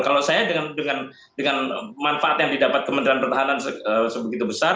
kalau saya dengan manfaat yang didapat kementerian pertahanan sebegitu besar